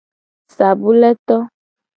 Sabule to.